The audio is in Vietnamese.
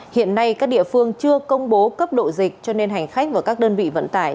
hiện nay các địa phương chưa công bố cấp độ dịch cho nên hành khách và các đơn vị vận tải